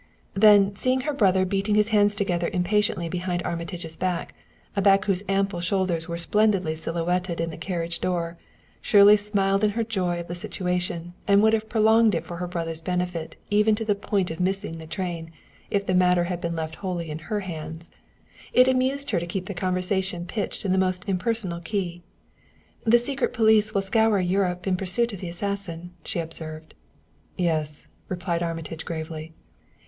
Then, seeing her brother beating his hands together impatiently behind Armitage's back a back whose ample shoulders were splendidly silhouetted in the carriage door Shirley smiled in her joy of the situation, and would have prolonged it for her brother's benefit even to the point of missing the train, if the matter had been left wholly in her hands. It amused her to keep the conversation pitched in the most impersonal key. "The secret police will scour Europe in pursuit of the assassin," she observed. "Yes," replied Armitage gravely.